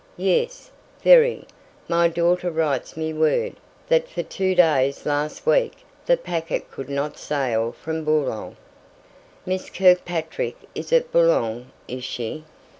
"Yes, very. My daughter writes me word, that for two days last week the packet could not sail from Boulogne." "Miss Kirkpatrick is at Boulogne, is she?"